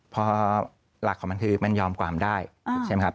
พอหลักของมันคือมันยอมความได้ใช่ไหมครับ